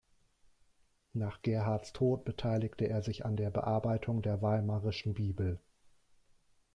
Nach Gerhards Tod beteiligte er sich an der Bearbeitung der Weimarischen Bibel.